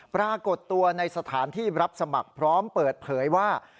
ปรากฏตัวในสถานที่รับสมัครพร้อมเปิดเผยว่า